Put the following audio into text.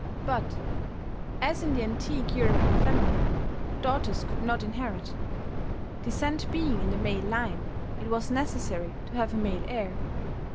But, as in the antique European family, daughters could not inherit: descent being in the male line, it was necessary to have a male heir.